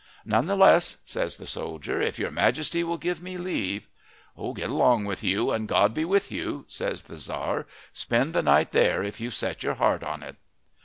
"None the less," says the soldier, "if your majesty will give me leave...." "Get along with you and God be with you," says the Tzar. "Spend the night there if you've set your heart on it."